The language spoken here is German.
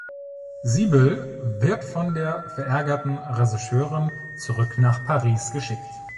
Sibyl wird von der verärgerten Regisseurin zurück nach Paris geschickt.